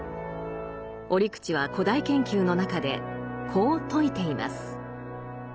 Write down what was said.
折口は「古代研究」の中でこう説いています。